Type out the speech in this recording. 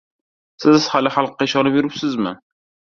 — Siz hali, xalqqa ishonib yuribsizmi?